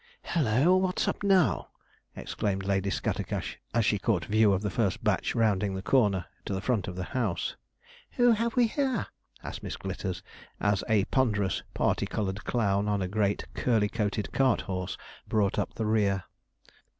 'Halloo! what's up now?' exclaimed Lady Scattercash, as she caught view of the first batch rounding the corner to the front of the house. 'Who have we here?' asked Miss Glitters, as a ponderous, parti coloured clown, on a great, curly coated cart horse, brought up the rear.